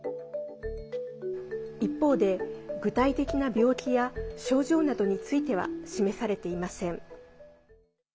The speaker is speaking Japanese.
一方で、具体的な病気や症状などについては示されていません。